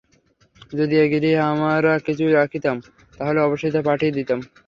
যদি এ গৃহে আমরা কিছু বাকি রাখতাম, তাহলে অবশ্যই তা পাঠিয়ে দিতাম।